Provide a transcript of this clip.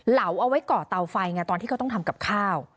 เหลาเอาไว้ก่อเตาไฟไงตอนที่เขาต้องทำกับข้าว